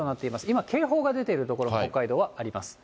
今警報が出ている所も、北海道はあります。